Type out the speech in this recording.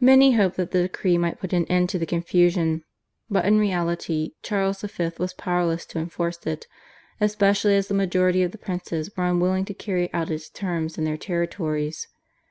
Many hoped that the decree might put an end to the confusion, but in reality Charles V. was powerless to enforce it, especially as the majority of the princes were unwilling to carry out its terms in their territories.